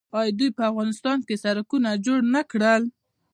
آیا دوی په افغانستان کې سړکونه جوړ نه کړل؟